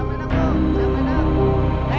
kembali ke kota kota kota